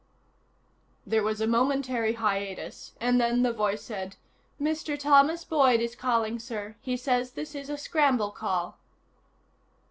There was a momentary hiatus, and then the voice said: "Mr. Thomas Boyd is calling, sir. He says this is a scramble call."